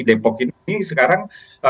depok ini sekarang